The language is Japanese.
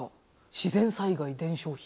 自然災害伝承碑。